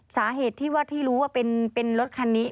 สาเหตุที่ว่าที่รู้ว่าเป็นรถคันนี้